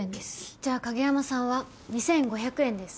じゃあ影山さんは２５００円です。